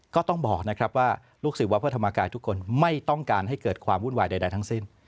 ก็ต้องบอกนะครับว่าลูกศิษย์วัดพระธรรมกายทุกคนไม่ต้องการให้เกิดความวุ่นวายใดทั้งสิ้น